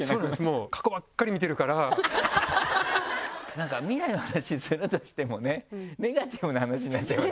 なんか未来の話するとしてもねネガティブな話になっちゃいますよね。